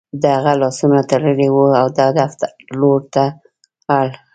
د هغه لاسونه تړلي وو او د دفتر لور ته لاړ